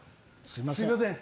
すいません。